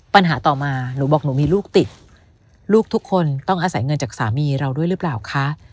ปัญหาต่อมาหนูบอกหนูมีลูกติดลูกทุกคนต้องอาศัยเงินจากสามีเราด้วยหรือเปล่าคะ